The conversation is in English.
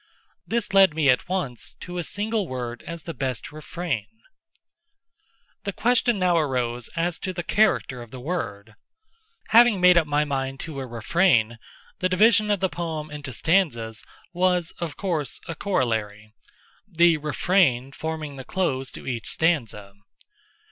This led me at once to a single word as the best refrain. The question now arose as to the character of the word. Having made up my mind to a refrain, the division of the poem into stanzas was, of course, a corollary: the refrain forming the close to each stanza.